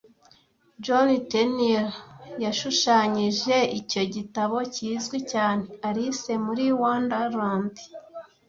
John Tenniel yashushanyije icyo gitabo kizwi cyane Alice muri Wonderland